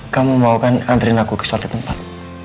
kamu bawa kan anterin aku ke suatu tempat